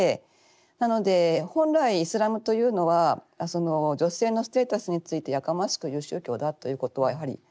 なので本来イスラムというのは女性のステータスについてやかましく言う宗教だということはやはり全く違う。